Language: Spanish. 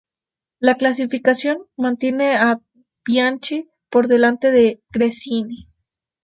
La clasificación mantiene a Bianchi por delante de Gresini.